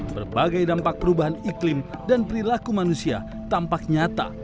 berbagai dampak perubahan iklim dan perilaku manusia tampak nyata